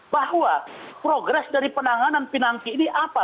bahwa progres dari penanganan pinangki ini apa